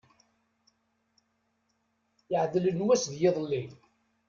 Iaɛdel n wass d yiḍelli.